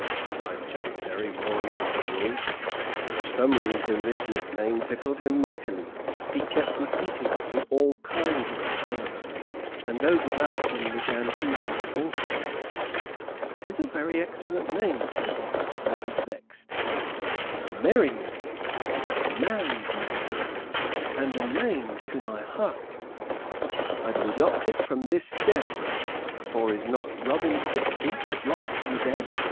cried John Berry, roaring like a bull. For some reason this nick name tickled him mightily. He kept repeating it in all kinds of tones, and those about him began to laugh also. "'Tis a very excellent name," said Robin, a little vexed. "A merry name, a man's name, and a name to my heart! I do adopt it from this day; for is not Robin Fitzooth of Locksley dead?